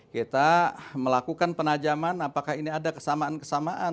kita melakukan penajaman apakah ini ada kesamaan kesamaan